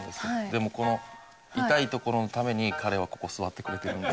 でもこの痛いところために彼はここ座ってくれてるんで。